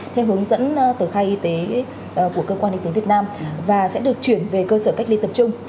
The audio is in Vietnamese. theo hướng dẫn tờ khai y tế của cơ quan y tế việt nam và sẽ được chuyển về cơ sở cách ly tập trung